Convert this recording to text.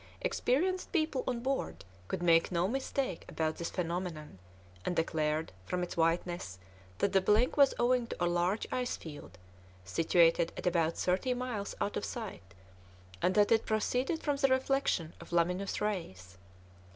Experienced people on board could make no mistake about this phenomenon, and declared, from its whiteness, that the blink was owing to a large ice field, situated at about thirty miles out of sight, and that it proceeded from the reflection of luminous rays.